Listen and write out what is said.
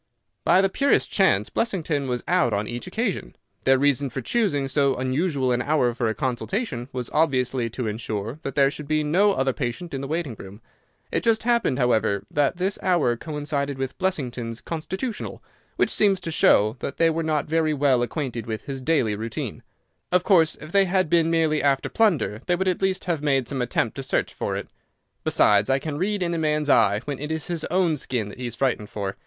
"By the purest chance Blessington was out on each occasion. Their reason for choosing so unusual an hour for a consultation was obviously to insure that there should be no other patient in the waiting room. It just happened, however, that this hour coincided with Blessington's constitutional, which seems to show that they were not very well acquainted with his daily routine. Of course, if they had been merely after plunder they would at least have made some attempt to search for it. Besides, I can read in a man's eye when it is his own skin that he is frightened for.